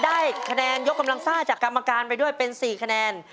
ได้คะแนนยกกำลังซ่าจากกรรมการไปด้วยเป็น๔คะแนน